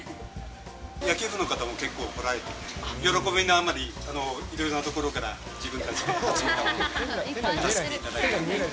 野球部の方も結構来られてるから、喜びのあまり、いろいろなところから、自分たちで集めたものを貼ってます。